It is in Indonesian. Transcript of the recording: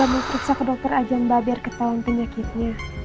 saya mau periksa ke dokter aja mbak biar ketahuan penyakitnya